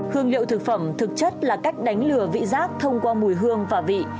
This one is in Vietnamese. hương liệu thực phẩm thực chất là cách đánh lừa vị rác thông qua mùi hương và vị